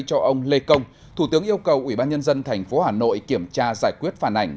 cho ông lê công thủ tướng yêu cầu ủy ban nhân dân tp hà nội kiểm tra giải quyết phản ảnh